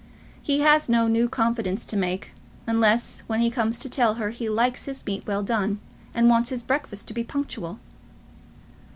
He has no new confidence to make, unless when he comes to tell her he likes his meat well done, and wants his breakfast to be punctual.